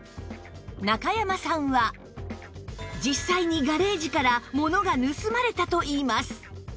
中山さんは実際にガレージから物が盗まれたといいます